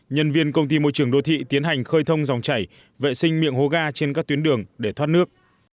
nhân viên công ty môi trường đô thị tiến hành khơi thông dòng chảy vệ sinh miệng hố ga trên các tuyến đường để thoát nước